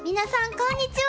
こんにちは。